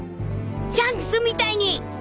シャンクスみたいに！